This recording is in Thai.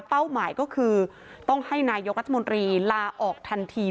หมายก็คือต้องให้นายกรัฐมนตรีลาออกทันที